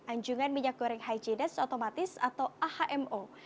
anjungan minyak goreng highines otomatis atau ahmo